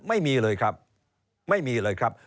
เริ่มตั้งแต่หาเสียงสมัครลง